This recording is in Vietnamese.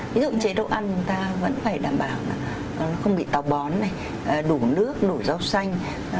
ví dụ chế độ ăn chúng ta vẫn phải đảm bảo là không bị tàu bón này đủ nước đủ rau xanh